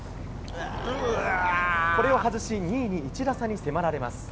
これを外し２位に１打差に迫られます。